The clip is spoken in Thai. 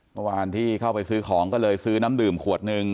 เมื่อวานที่เข้าไปซื้อของก็เลยซื้อน้ำดื่มขวดหนึ่ง